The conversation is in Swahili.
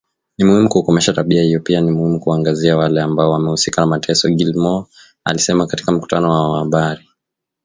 Ni muhimu kukomesha tabia hiyo pia ni muhimu kuwaangazia wale ambao wamehusika na mateso Gilmore alisema katika mkutano na wanahabari.